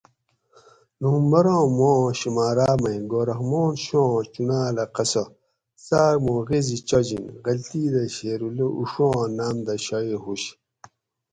"نومبراۤں ماۤ آں شمارا مئ گوھر رحمان شہواں چُنڑاۤل اۤ قصہ "" څاک ما غیزی چاجِن"" غلطی دہ شیراللّٰہ اشواں ناۤم دہ شایُع ھُوش"